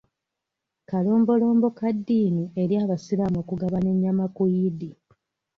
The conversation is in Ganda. Kalombolombo ka ddiini eri abasiraamu okugabana ennyama ku Eid.